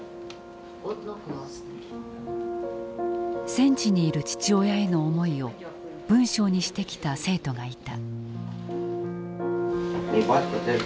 戦地にいる父親への思いを文章にしてきた生徒がいた。